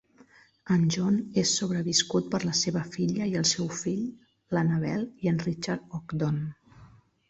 En John és sobreviscut per la seva filla i el seu fill, l"Annabel i en Richard Ogdon.